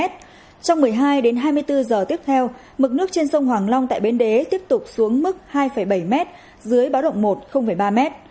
trong một mươi hai đến hai mươi bốn giờ tiếp theo mực nước trên sông hoàng long tại bến đé tiếp tục xuống mức hai bảy m dưới báo động một ba m